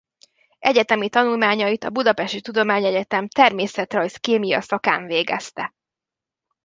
Egyetemi tanulmányait a Budapesti Tudományegyetem természetrajz–kémia szakán végezte.